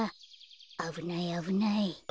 あぶないあぶない。